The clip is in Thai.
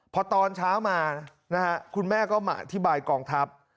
พอตอนเช้ามานะฮะคุณแม่ก็มาอธิบายกองทัพ